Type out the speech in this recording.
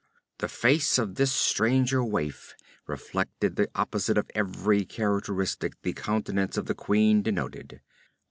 The face of this stranger waif reflected the opposite of every characteristic the countenance of the queen denoted.